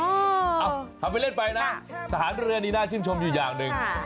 เอาทำไปเล่นไปนะทหารเรือนี่น่าชื่นชมอยู่อย่างหนึ่ง